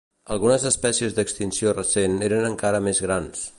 Algunes espècies d'extinció recent eren encara més grans.